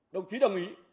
đồng chí đồng ý